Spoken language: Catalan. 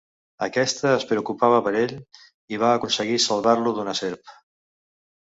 Aquesta es preocupava per ell, i va aconseguir salvar-lo d'una serp.